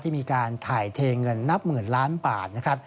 มีการถ่ายเทเงินนับหมื่นล้านบาทนะครับ